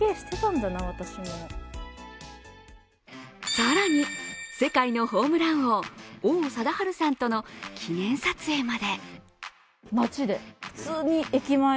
更に、世界のホームラン王王貞治さんとの記念撮影まで。